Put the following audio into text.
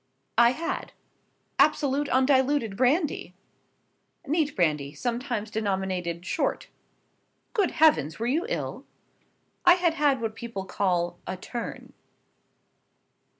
"I had." "Absolute undiluted brandy!" "Neat brandy, sometimes denominated 'short.'" "Good heavens! were you ill?" "I had had what people call 'a turn.'"